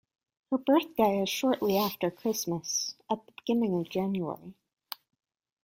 Her birthday is shortly after Christmas, at the beginning of January